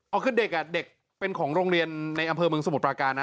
เอาคือเด็กเด็กเป็นของโรงเรียนในอำเภอเมืองสมุทรปราการนะ